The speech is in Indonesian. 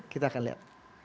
kita akan lihat